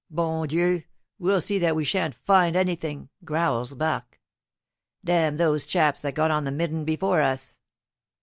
"Bon Dieu! You'll see that we shan't find anything," growls Barque. "Damn those chaps that got on the midden before us!"